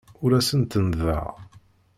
Ur asen-d-ttennḍeɣ.